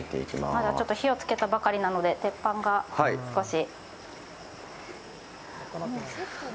まだちょっと火をつけたばかりなので、鉄板が少し。